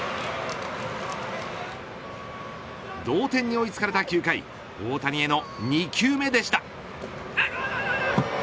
同点に追い付かれた９回大谷への２球目でした。